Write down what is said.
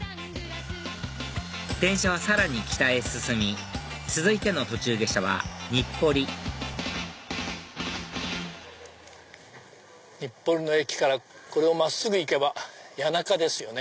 電車はさらに北へ進み続いての途中下車は日暮里日暮里の駅からこれを真っすぐ行けば谷中ですよね。